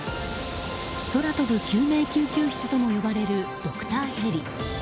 空飛ぶ救命救急室とも呼ばれるドクターヘリ。